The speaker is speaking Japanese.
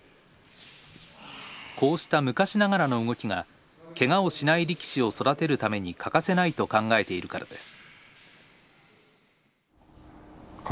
こうした昔ながらの動きがけがをしない力士を育てるために欠かせないと考えているからです。